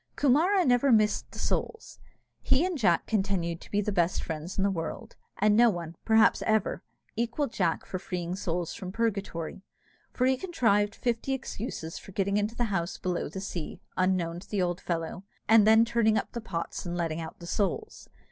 Coomara never missed the souls. He and Jack continued the best friends in the world, and no one, perhaps, ever equalled Jack for freeing souls from purgatory; for he contrived fifty excuses for getting into the house below the sea, unknown to the old fellow, and then turning up the pots and letting out the souls.